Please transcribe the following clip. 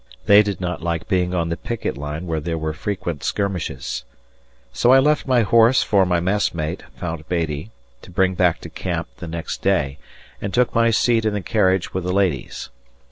They did not like being on the picket line where there were frequent skirmishes. So I left my horse for my messmate, Fount Beattie, to bring back to camp the next day, and took my seat in the carriage with the ladies.